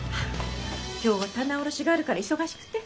今日は棚卸しがあるから忙しくて。